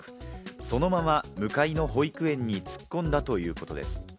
そのまま向かいの保育園に突っ込んだということです。